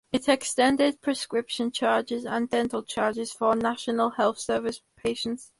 It extended prescription charges and dental charges for National Health Service patients.